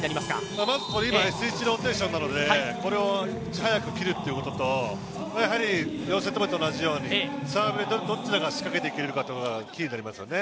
今Ｓ１ローテーションなので早くきるということと４セット目と同じように、サーブをどちらが仕掛けていけるかがキーになりますよね。